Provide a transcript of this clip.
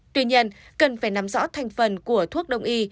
tuy nhiên cần phải nắm rõ thành phần của thuốc đông y